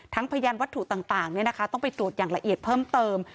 ทั้งพยานวัตถุต่างต่างเนี้ยนะคะต้องไปตรวจอย่างละเอียดเพิ่มเติม